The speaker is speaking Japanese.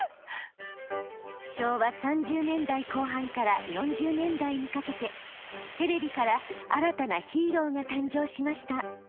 昭和３０年代後半から４０年代にかけてテレビから新たなヒーローが誕生しました。